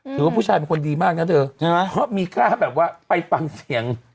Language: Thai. ผู้ชายเป็นคนดีมากนะเธอใช่ไหมเพราะมีค่าแบบว่าไปฟังเสียง